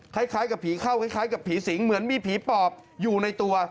คล้ายกับผีเข้าคล้ายกับผีสิงเหมือนมีผีปอบอยู่ในตัว